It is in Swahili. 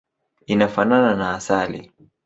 Inafanana na asali.